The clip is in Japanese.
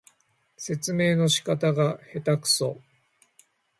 説明の仕方がへたくそ